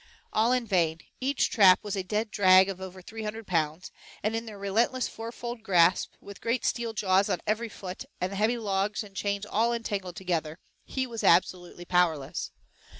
All in vain, each trap was a dead drag of over three hundred pounds, and in their relentless fourfold grasp, with great steel jaws on every foot, and the heavy logs and chains all entangled together, he was absolutely powerless.